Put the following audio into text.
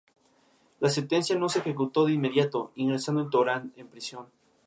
La sentencia no se ejecutó de inmediato, ingresando Torán en prisión.